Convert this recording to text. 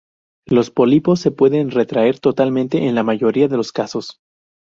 Los pólipos se pueden retraer totalmente en la mayoría de los casos.